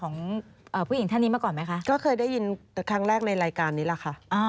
กว่าจะให้พอมามืออะไรเลยครับ